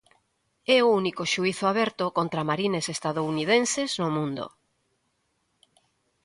É o único xuízo aberto contra marines estadounidenses, no mundo.